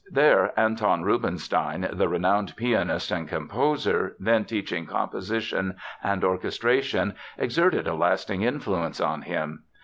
There Anton Rubinstein, the renowned pianist and composer, then teaching composition and orchestration, exerted a lasting influence on him.